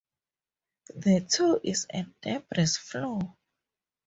The toe is a debris flow.